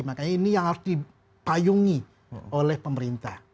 makanya ini yang harus dipayungi oleh pemerintah